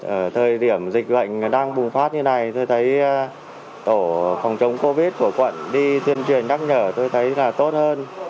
ở thời điểm dịch bệnh đang bùng phát như này tôi thấy tổ phòng chống covid của quận đi tuyên truyền nhắc nhở tôi thấy là tốt hơn